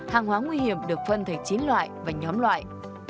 hàng hóa nguy hiểm được phân thành chín loại và nhóm loại